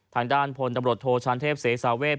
ทางด้านพลตำรวจโทชานเทพเสสาเวท